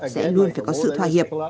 sẽ luôn phải có sự thỏa hiệp